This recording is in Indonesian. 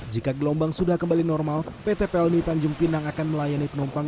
jika gelombang sudah kembali normal pt plni tanjung pinang akan melayani penumpang